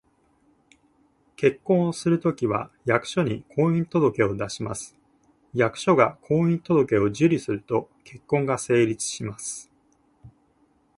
結婚をするときは、役所に「婚姻届」を出します。役所が「婚姻届」を受理すると、結婚が成立します